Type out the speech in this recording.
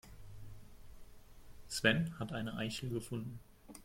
Sven hat eine Eichel gefunden.